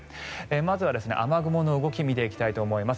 まずは雨雲の動きを見ていきたいと思います。